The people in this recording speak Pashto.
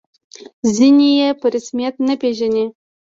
ځینې یې په رسمیت نه پېژني.